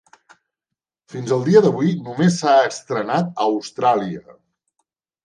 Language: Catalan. Fins al dia d'avui, només s'ha estrenat a Austràlia.